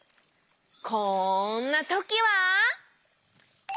こんなときは。